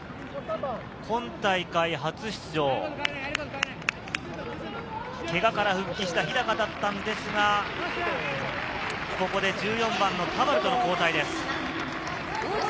今大会、初出場、けがから復帰した日高だったんですが、ここで１４番の田原との交代です。